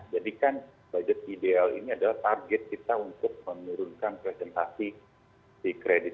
jadi kan budget ideal ini adalah target kita untuk menurunkan presentasi di kredit